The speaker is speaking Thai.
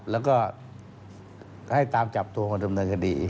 แล้วก็ให้ตามจับตัวคนดำเนินคดี